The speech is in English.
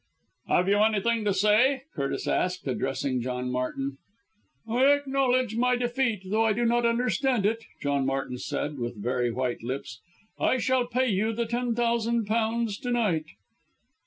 "Have you anything to say?" Curtis asked, addressing John Martin. "I acknowledge my defeat, though I do not understand it!" John Martin said with very white lips. "I shall pay you the ten thousand pounds to night."